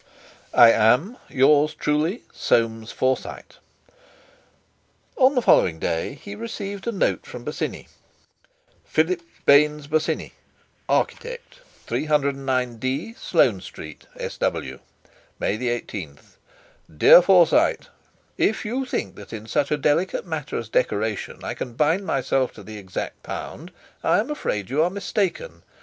"I am, "Yours truly, "SOAMES FORSYTE." On the following day he received a note from Bosinney: "PHILIP BAYNES BOSINNEY, "Architect, "309D, SLOANE STREET, S.W., "May 18. "DEAR FORSYTE, "If you think that in such a delicate matter as decoration I can bind myself to the exact pound, I am afraid you are mistaken.